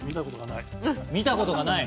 見たことない。